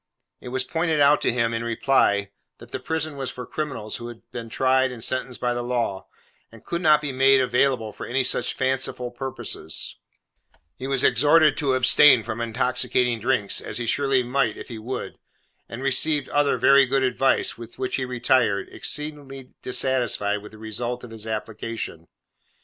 It was pointed out to him, in reply, that the prison was for criminals who had been tried and sentenced by the law, and could not be made available for any such fanciful purposes; he was exhorted to abstain from intoxicating drinks, as he surely might if he would; and received other very good advice, with which he retired, exceedingly dissatisfied with the result of his application.